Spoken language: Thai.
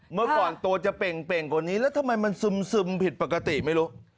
เมื่อก่อนตัวจะเป่งกว่านี้แล้วทำไมมันซึมผิดปกติไม่รู้